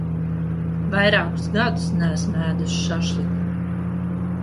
Vairākus gadus neesmu ēdusi šašliku.